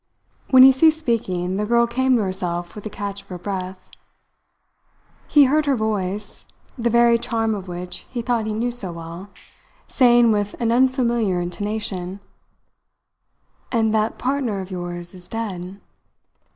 When he ceased speaking, the girl came to herself with a catch of her breath. He heard her voice, the varied charm of which he thought he knew so well, saying with an unfamiliar intonation: "And that partner of yours is dead?"